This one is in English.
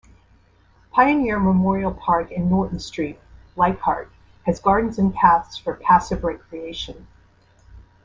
Pioneer Memorial Park in Norton St, Leichhardt, has gardens and paths for passive recreation.